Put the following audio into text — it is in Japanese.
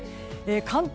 関東